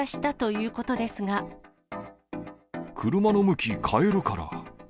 車の向き、変えるから。